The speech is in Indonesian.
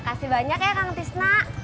kasih banyak ya kang tisna